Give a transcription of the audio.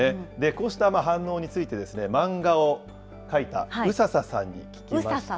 こうした反応について、漫画を描いたうさささんに聞きました。